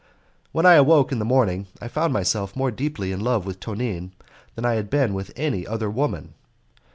When I awoke in the morning I found myself more deeply in love with Tonine than I had been with any other woman.